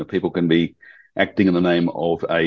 jadi orang bisa berangkat dalam nama